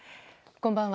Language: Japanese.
こんばんは。